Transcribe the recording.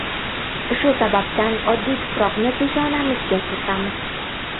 Shu sababdan oddiy tuproqni peshonamizga surtamiz.